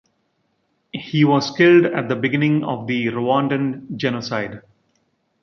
He was killed at the beginning of the Rwandan Genocide.